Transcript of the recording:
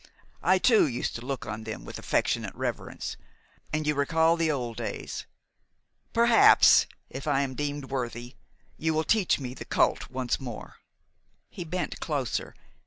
I too used to look on them with affectionate reverence, and you recall the old days. Perhaps, if I am deemed worthy, you will teach me the cult once more." He bent closer.